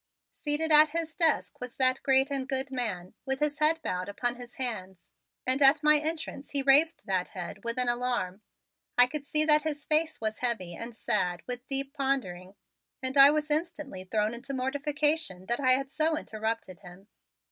Seated at his desk was that great and good man, with his head bowed upon his hands; and at my entrance he raised that head with an alarm. I could see that his face was heavy and sad with deep pondering and I was instantly thrown into mortification that I had so interrupted him.